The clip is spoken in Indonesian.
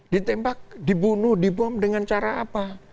ditembak dibunuh dibom dengan cara apa